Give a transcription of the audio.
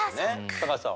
高橋さんは？